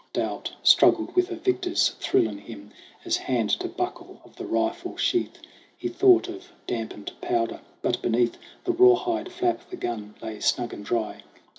Doubt struggled with a victor's thrill in him. As, hand to buckle of the rifle sheath, He thought of dampened powder; but beneath The rawhide flap the gun lay snug and dry.